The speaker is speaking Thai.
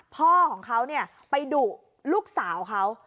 พ่อของเขาไปดุลูกสาวเขา